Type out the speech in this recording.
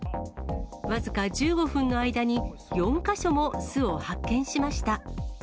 僅か１５分の間に、４か所も巣を発見しました。